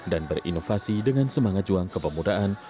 dan berinovasi dengan semangat juang kepemudaan